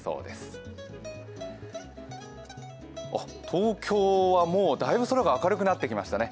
東京はもう大分空が明るくなってきましたね。